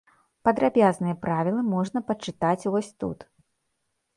Падрабязныя правілы можна пачытаць вось тут.